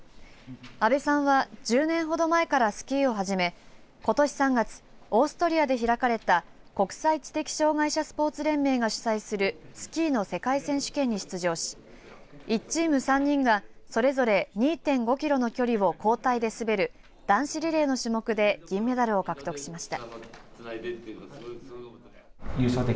阿部さんは１０年ほど前からスキーをはじめことし３月オーストリアで開かれた国際知的障害者スポーツ連盟が主催するスキーの世界選手権に出場し１チーム３人がそれぞれ２．５キロの距離を交代で滑る男子リレーの種目で金メダルを獲得しました。